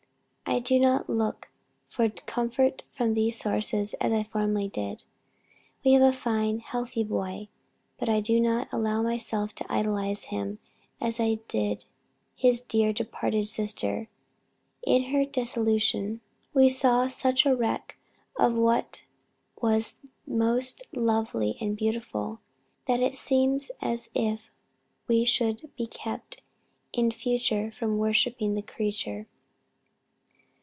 I do not look for comfort from these sources as I formerly did. We have a fine, healthy boy, but I do not allow myself to idolize him as I did his dear departed sister. In her dissolution, we saw such a wreck of what was most lovely and beautiful, that it seems as if we should be kept in future from 'worshipping the creature.'"